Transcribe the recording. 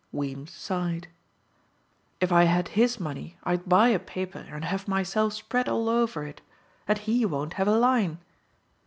Weems sighed. "If I had his money I'd buy a paper and have myself spread all over it. And he won't have a line."